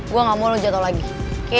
gue nggak mau lo jatoh lagi oke